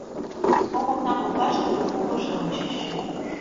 Кок окна коклаште — кугу воштончыш.